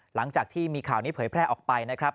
หลังจากที่มีข่าวนี้เผยแพร่ออกไปนะครับ